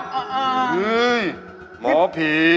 อ้าวหมอผี